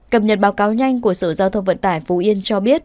cập nhật báo cáo nhanh của sở giao thông vận tải phú yên cho biết